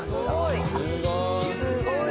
すごい！